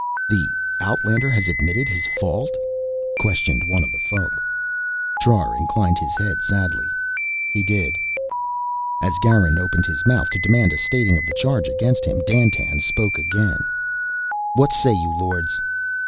"The outlander has admitted his fault?" questioned one of the Folk. Trar inclined his head sadly. "He did." As Garin opened his mouth to demand a stating of the charge against him, Dandtan spoke again: "What say you, Lords?"